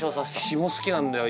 ひも好きなんだよ